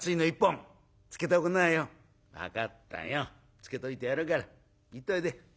つけといてやるから行っといで」。